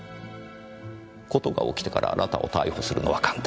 事が起きてからあなたを逮捕するのは簡単です。